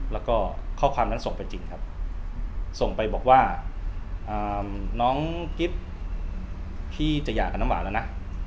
แล้วก็ข้อความนั้นส่งไปจริงครับส่งไปบอกว่าน้องกิ๊บพี่จะหย่ากับน้ำหวานแล้วนะ